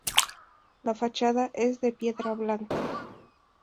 La fachada es de piedra blanca.